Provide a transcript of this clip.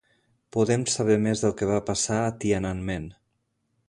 Podem saber més del que va passar a Tiananmen